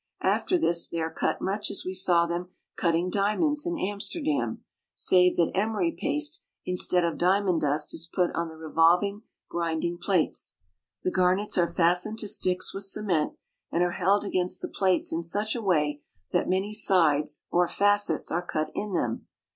After this, they are cut much as we saw them cutting diamonds in Amster dam, save that emery paste instead of diamond dust is put on the revolving grinding plates. The garnets are fastened to sticks with cement, and are held against the plates in such a way that many sides or facets are cut in them.